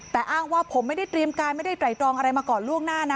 แต่อ้างว่าผมไม่ได้เตรียมการไม่ได้ไตรตรองอะไรมาก่อนล่วงหน้านะ